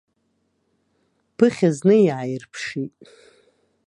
Ԥыхьа зны иааирԥшит.